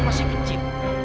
mama masih kecil